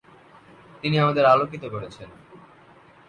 তিনি আমাদের আলোকিত করেছেন।